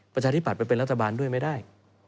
ประชาธิบัตย์ไปเป็นรัฐบาลด้วยไม่ได้